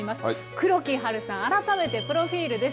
黒木華さん、改めてプロフィールです。